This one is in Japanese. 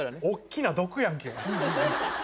おっきな毒やんけ。